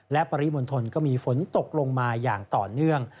และปริมณฑลก็มีฝนตกลงมาอย่างต่อเนื่อง